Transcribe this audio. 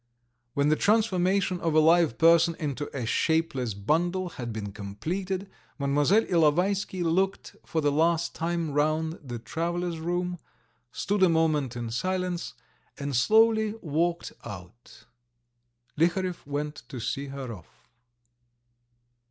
When the transformation of a live person into a shapeless bundle had been completed, Mlle. Ilovaisky looked for the last time round the "travellers' room," stood a moment in silence, and slowly walked out. Liharev went to see her off.